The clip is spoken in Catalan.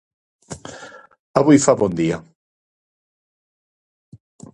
Avui fa bon dia.